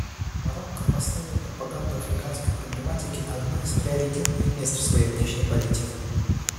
Марокко поставило пропаганду африканской проблематики на одно из приоритетных мест в своей внешней политике.